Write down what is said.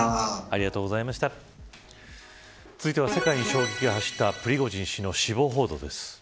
続いては、世界に衝撃が走ったプリゴジン氏の死亡報道です。